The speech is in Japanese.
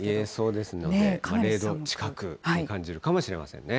０度近くに感じるかもしれませんね。